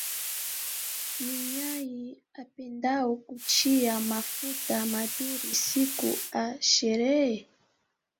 Ni nyanyi* apendao kuchia mafuta madhuri siku a sherehe.